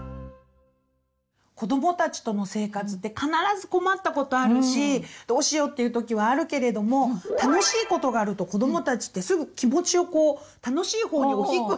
子どもたちとの生活って必ず困ったことあるし「どうしよう」っていう時はあるけれども楽しいことがあると子どもたちってすぐ気持ちをこう楽しいほうに「お引っ越し」できるんだよね。